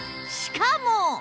しかも